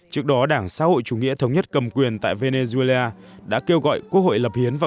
trước đó đảng xã hội chủ nghĩa thống nhất cầm quyền tại venezuela đã kêu gọi quốc hội lập hiến và